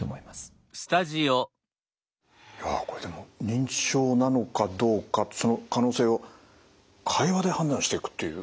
認知症なのかどうかその可能性を会話で判断していくっていう。